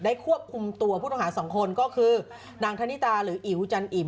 ควบคุมตัวผู้ต้องหาสองคนก็คือนางธนิตาหรืออิ๋วจันอิ่ม